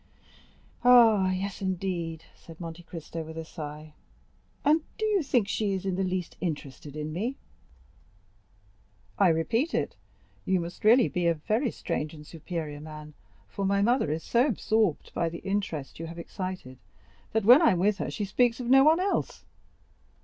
"Ah, yes, indeed," said Monte Cristo with a sigh; "and do you think she is in the least interested in me?" "I repeat it, you must really be a very strange and superior man, for my mother is so absorbed by the interest you have excited, that when I am with her she speaks of no one else."